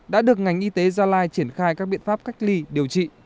đã được ngành y tế gia lai triển khai các biện pháp cách ly điều trị